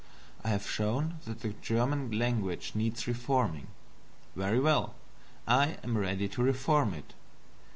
I have shown that the German language needs reforming. Very well, I am ready to reform it.